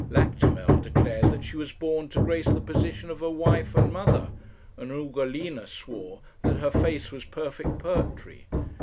Lactimel declared that she was born to grace the position of a wife and mother, and Ugolina swore that her face was perfect poetry.